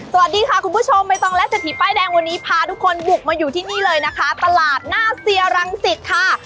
สวัสดีค่ะคุณผู้ชมใบตองและเศรษฐีป้ายแดงวันนี้พาทุกคนบุกมาอยู่ที่นี่เลยนะคะตลาดหน้าเซียรังสิตค่ะ